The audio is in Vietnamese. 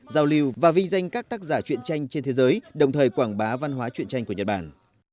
giao lưu và vi danh các tác giả chuyện tranh trên thế giới đồng thời quảng bá văn hóa chuyện tranh của nhật bản